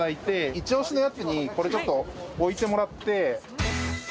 一押しのやつにこれちょっと、置いてもらって。